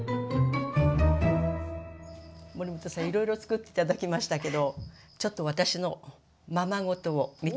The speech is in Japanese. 守本さんいろいろつくって頂きましたけどちょっと私のままごとを見て頂ける？